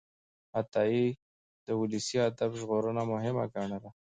عطایي د ولسي ادب ژغورنه مهمه ګڼله.